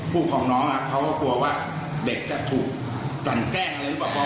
ผู้ของน้องครับเขากลัวว่าเด็กจะถูกกลั่นแกล้งอะไรหรือ